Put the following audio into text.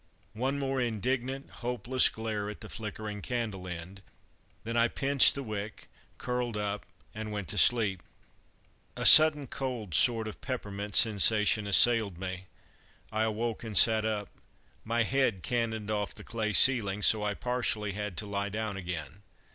One more indignant, hopeless glare at the flickering candle end, then I pinched the wick, curled up, and went to sleep. A sudden cold sort of peppermint sensation assailed me; I awoke and sat up. My head cannoned off the clay ceiling, so I partially had to lie down again.